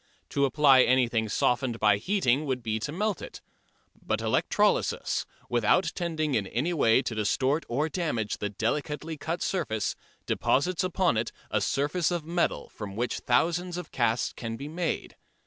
To apply anything softened by heating would be to melt it. But electrolysis, without tending in any way to distort or damage the delicately cut surface, deposits upon it a surface of metal from which thousands of casts can be made.